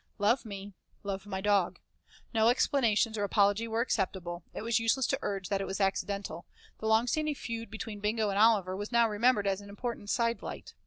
'Love me, love my dog,' No explanations or apology were acceptable; it was useless to urge that it was accidental; the long standing feud between Bingo and Oliver was now remembered as an important sidelight.